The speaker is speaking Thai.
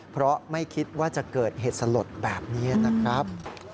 เพราะไม่คิดว่าจะเกิดเหตุสลดแบบนี้นะครับ